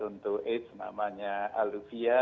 untuk aids namanya aluvia